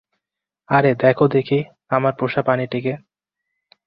আরে দেখো দেখি, আমার পোষাপ্রাণীটাকে।